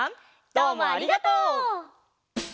どうもありがとう。